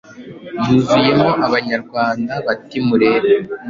yuzuyemo Abanyarwanda. Bati “Murebe,